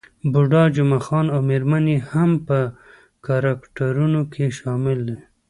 بوډا جمعه خان او میرمن يې هم په کرکټرونو کې شامل دي.